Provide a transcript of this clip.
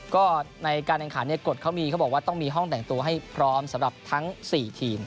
ก็ในการแข่งขันกฎเขามีเขาบอกว่าต้องมีห้องแต่งตัวให้พร้อมสำหรับทั้ง๔ทีม